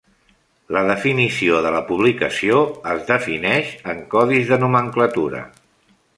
La definició de la "publicació" es defineix en codis de nomenclatura.